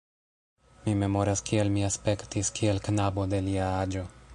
Mi memoras, kiel mi aspektis kiel knabo de lia aĝo.